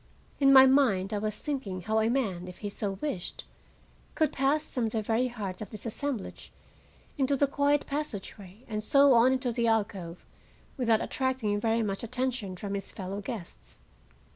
In my mind I was thinking how a man, if he so wished, could pass from the very heart of this assemblage into the quiet passageway, and so on into the alcove, without attracting very much attention from his fellow guests.